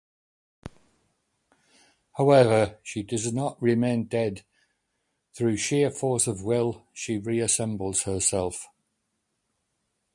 However, she does not remain dead; through sheer force of will, she reassembles herself.